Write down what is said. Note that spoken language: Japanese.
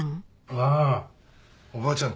ああおばあちゃん